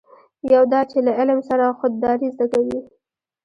یو دا چې له علم سره خودداري زده کوي.